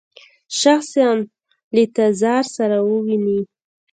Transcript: شخصاً له تزار سره وویني.